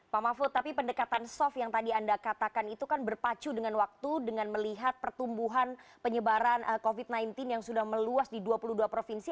pak mahfud tapi pendekatan soft yang tadi anda katakan itu kan berpacu dengan waktu dengan melihat pertumbuhan penyebaran covid sembilan belas yang sudah meluas di dua puluh dua provinsi